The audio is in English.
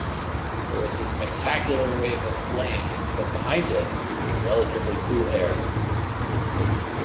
There was a spectacular wave of flame but, behind it, was relatively cool air.